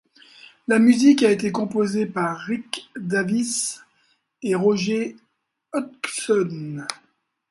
La musique a été composée par Rick Davies et Roger Hodgson.